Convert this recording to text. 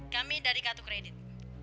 kami dari k dua kredit